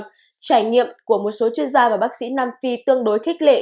trải nghiệm của một số chuyên gia và bác sĩ nam phi tương đối khích lệ